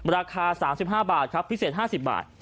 ราคา๓๕บาทครับพิเศษ๕๐บาท